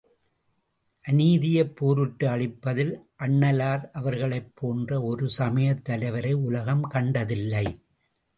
அநீதியைப் போரிட்டு அழிப்பதில் அண்ணலார் அவர்களைப் போன்ற ஒரு சமயத் தலைவரை உலகம் கண்டதில்லை.